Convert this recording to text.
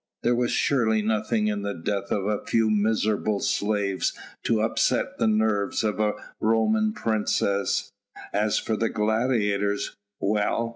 There was surely nothing in the death of a few miserable slaves to upset the nerves of a Roman princess. As for the gladiators! well!